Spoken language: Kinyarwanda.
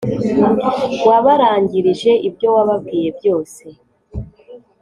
wabarangirije ibyo wababwiye byose